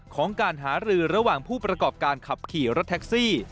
ของการหารือระหว่างผู้ประกอบการขับขี่รถแท็กซี่